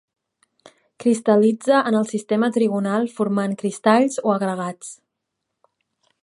Cristal·litza en el sistema trigonal formant cristalls o agregats.